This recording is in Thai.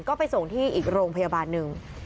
ก็ไปส่งที่อีกโรงพยาบาลหนึ่ง